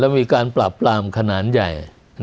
มีการปราบปรามขนาดใหญ่